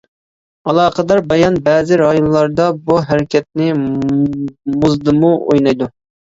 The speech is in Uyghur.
ئالاقىدار بايان بەزى رايونلاردا بۇ ھەرىكەتنى مۇزدىمۇ ئوينايدۇ.